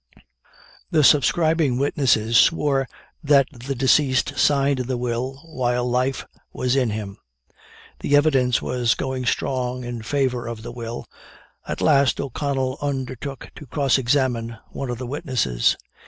The subscribing witnesses swore that the deceased signed the will while life was in him. The evidence was going strong in favor of the will at last O'Connell undertook to cross examine one of the witnesses.